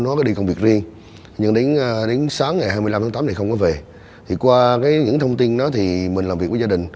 ngày hai mươi năm tháng tám không có về thì qua những thông tin đó thì mình làm việc với gia đình